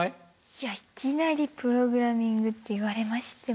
いやいきなりプログラミングって言われましても。